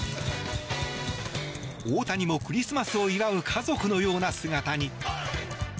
大谷もクリスマスを祝う家族のような姿に。